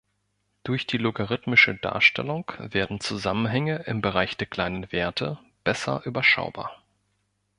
Durch die logarithmische Darstellung werden Zusammenhänge im Bereich der kleinen Werte besser überschaubar.